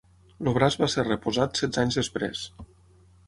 El braç va ser reposat setze anys després.